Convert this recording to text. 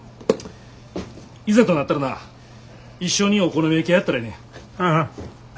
いざとなったらな一緒にお好み焼き屋やったらええねん。